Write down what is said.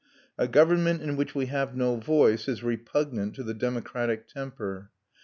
A government in which we have no voice is repugnant to the democratic temper.